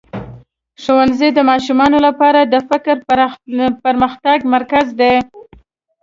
ښوونځی د ماشومانو لپاره د فکري پرمختګ مرکز دی.